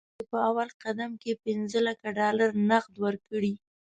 چې په اول قدم کې پنځه لکه ډالر نغد ورکړي.